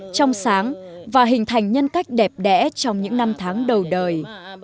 trong sáng và hình thành nhân cách đẹp đẽ trong những năm tháng đầu đời